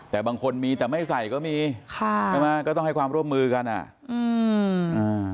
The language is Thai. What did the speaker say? แต่บางคนมีแต่ไม่ใส่ก็มีค่ะใช่ไหมก็ต้องให้ความร่วมมือกันอ่ะอืมอ่า